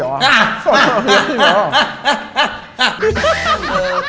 ชิบเฉียวเหรอ